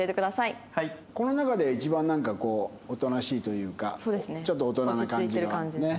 この中で一番おとなしいというかちょっと大人な感じがね